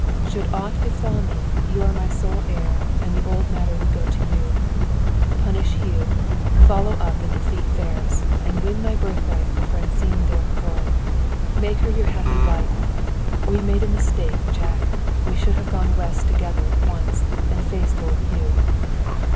Should aught befall me, you are my sole heir, and the old matter would go to you. Punish Hugh, follow up and defeat Ferris, and win my birthright for Francine Delacroix. Make her your happy wife. We made a mistake, Jack. We should have gone West together at once, and faced old Hugh."